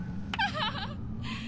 ハハハハ！